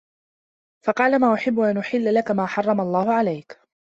فَقَالَ مَا أُحِبُّ أَنْ أَحِلَّ لَك مَا حَرَّمَ اللَّهُ عَلَيْك